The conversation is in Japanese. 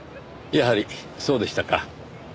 やはりそうでしたか。